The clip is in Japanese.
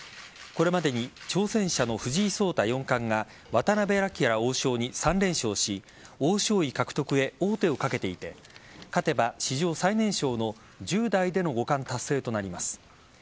これまでに挑戦者の藤井聡太四冠が渡辺明王将に３連勝し王将位獲得へ王手をかけていて勝てば史上最年少の１０代での五冠達成となります。